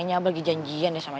iy aku masih di sekolah you right